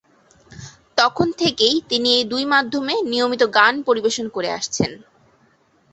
তখন থেকেই তিনি এই দুই মাধ্যমে নিয়মিত গান পরিবেশন করে আসছেন।